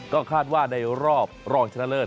ก็คาดว่าในรอบรองชนะเลิศ